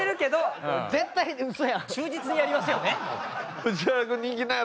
忠実にやりますよね。